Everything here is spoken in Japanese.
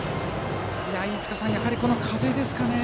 飯塚さん、やはりこの風ですかね。